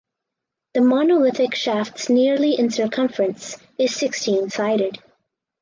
The monolithic shafts nearly in circumference is sixteen sided.